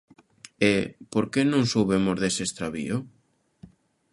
E, ¿por que non soubemos dese extravío?